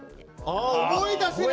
あ思い出せない？